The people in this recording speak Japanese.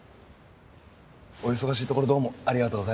お忙しいところどうもありがとうございました。